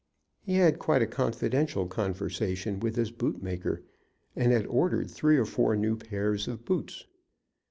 He had quite a confidential conversation with his boot maker, and had ordered three or four new pairs of boots.